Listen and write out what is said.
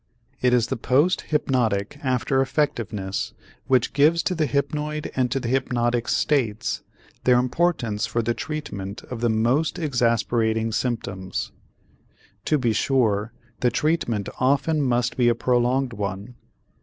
It is the post hypnotic after effectiveness which gives to the hypnoid and to the hypnotic states their importance for the treatment of the most exasperating symptoms. To be sure, the treatment often must be a prolonged one.